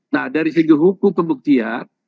nah dari segi hukum pembuktian